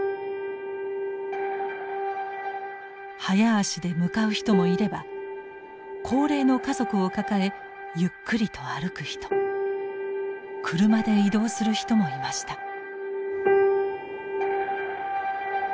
早足で向かう人もいれば高齢の家族を抱えゆっくりと歩く人車で移動する人もいました。